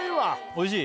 おいしい？